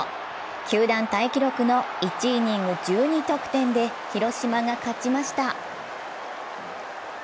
球団タイ記録の１イニング１２得点で広島が勝ちました。